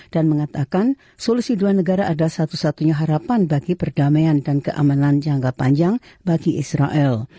dan mengatakan solusi dua negara adalah satu satunya harapan bagi perdamaian dan keamanan jangka panjang bagi israel